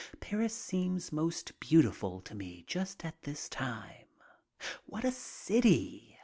Paris seems most beautiful to me just at this time. What a city!